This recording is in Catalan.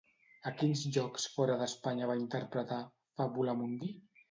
A quins llocs fora d'Espanya va interpretar "Fabulamundi"?